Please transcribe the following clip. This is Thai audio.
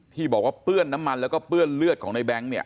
ที่บอกว่าเปื้อนน้ำมันแล้วก็เปื้อนเลือดของในแบงค์เนี่ย